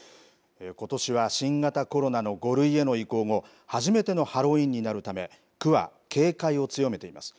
ことしは新型コロナの５類への移行後初めてのハロウィーンになるため区は警戒を強めています。